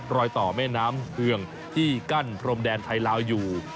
รอยต่อแม่น้ำเฮืองที่กั้นพรมแดนไทยลาวอยู่